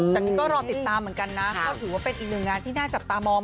แต่นี่ก็รอติดตามเหมือนกันนะก็ถือว่าเป็นอีกหนึ่งงานที่น่าจับตามอง